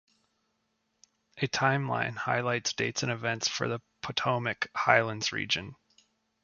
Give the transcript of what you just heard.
A time line highlights dates and events for the Potomac Highlands region.